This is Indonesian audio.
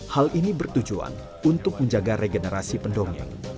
hal ini bertujuan untuk menjaga regenerasi pendongeng